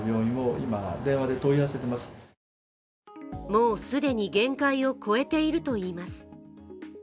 もう既に限界を超えているといいます。